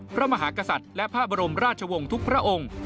พระมหากษัตริย์และพระบรมราชวงศ์ทุกพระองค์